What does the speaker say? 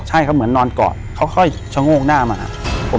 ใช่ครับเหมือนนอนกอดเขาค่อยชะโงกหน้ามาครับ